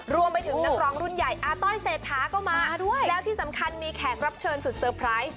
รวมไปถึงนักร้องรุ่นใหญ่อาต้อยเศรษฐาก็มาด้วยแล้วที่สำคัญมีแขกรับเชิญสุดเตอร์ไพรส์